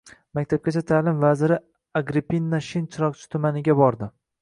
Maktabgacha ta’lim vaziri Agrippina Shin Chiroqchi tumaniga bordi